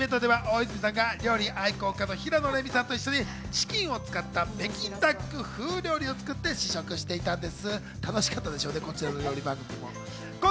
イベントで大泉さんは料理愛好家の平野レミさんと一緒に、チキンを使った北京ダック風料理を作って試食してたんです。